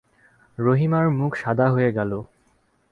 রহিমার মুখ সাদা হয়ে গেল!